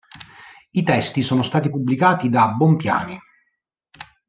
I testi sono stati pubblicati da Bompiani.